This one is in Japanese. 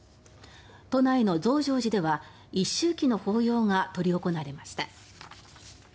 都内の増上寺では一周忌の法要が執り行われました。